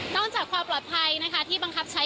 จากความปลอดภัยนะคะที่บังคับใช้